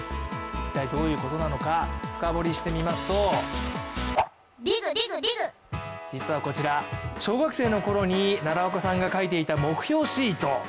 一体どういうことなのか深掘りしてみますと実はこちら、小学生のころに奈良岡さんが書いていた目標シート。